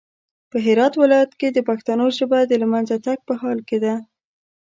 په هرات ولايت کې د پښتنو ژبه د لمېنځه تګ په حال کې ده